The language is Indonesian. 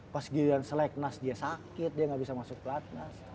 pas giliran seleknas dia sakit dia nggak bisa masuk pelatnas